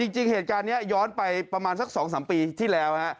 จริงเหตุการณ์นี้ย้อนไปประมาณสัก๒๓ปีที่แล้ว